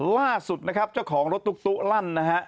ล่าสุดนะครับเจ้าของรถตุ๊กลั่นนะฮะ